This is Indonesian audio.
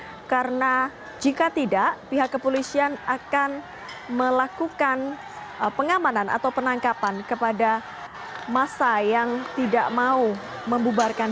masa merangsek menuju ke arah polisi yang mungkin saja semakin mundur dari posisi awal